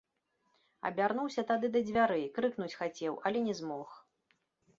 Абярнуўся тады да дзвярэй, крыкнуць хацеў, але не змог.